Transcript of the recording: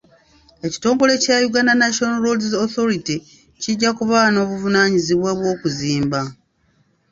Ekitongole kya Uganda National roads authority kijja kuba n'obuvunaanyizibwa bw'okuzimba.